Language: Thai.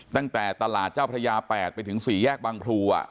ตั้งแต่ตลาดเจ้าพระยา๘ไปถึง๔แยกบางพลู